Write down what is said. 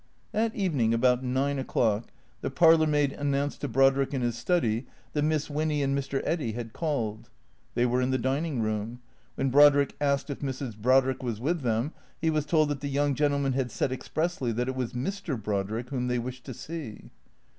That evening, about nine o'clock, the parlourmaid announced to Brodrick in his study that Miss Winny and Mr. Eddy had called. They were in the dining room. When Brodrick asked if Mrs. Brodrick was with them he was told that the young gen tlemen had said expressly that it was Mr. Brodrick whom they wished to see.